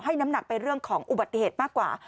น้ำหนักไปเรื่องของอุบัติเหตุมากกว่า